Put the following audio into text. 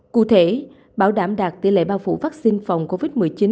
cụ thể bảo đảm đạt tỷ lệ bao phủ vaccine phòng covid một mươi chín